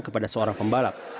kepada seorang pembalap